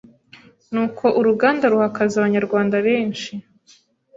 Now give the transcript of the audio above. n’uko uruganda ruha akazi Abanyarwanda benshi